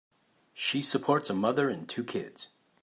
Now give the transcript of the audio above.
She supports a mother and two kids.